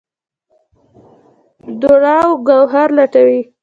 دُراو ګوهر لټوي